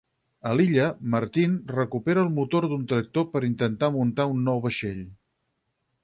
A l'illa, Martin recupera el motor d'un tractor per intentar muntar un nou vaixell.